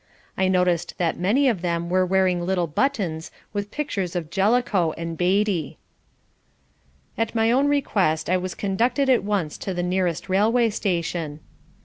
I noticed that many of them were wearing little buttons with pictures of Jellicoe and Beatty. At my own request I was conducted at once to the nearest railway station.